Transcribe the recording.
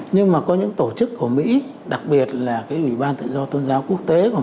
nhưng mà có những tổ chức của mỹ đặc biệt là ủy ban tự do tôn giáo quốc tế của mỹ